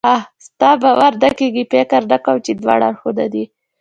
ستا باور نه کېږي؟ فکر نه کوم چې دواړه اړخونه دې.